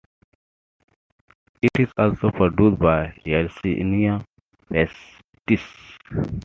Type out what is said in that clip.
It is also produced by "Yersinia pestis".